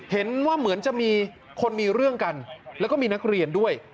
เห็นว่าเหมือนจะมีคนมีเรื่องกันแล้วก็มีนักเรียนด้วย